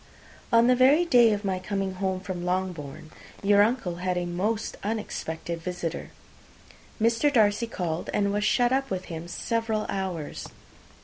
On the very day of my coming home from Longbourn, your uncle had a most unexpected visitor. Mr. Darcy called, and was shut up with him several hours.